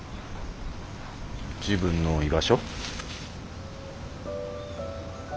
自分の居場所。